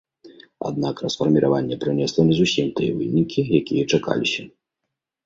Аднак расфарміраванне прынесла не зусім тыя вынікі, якія чакаліся.